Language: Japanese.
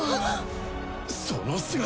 その姿！